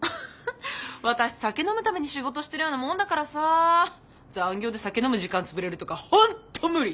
私酒飲むために仕事してるようなもんだからさ残業で酒飲む時間潰れるとか本当無理！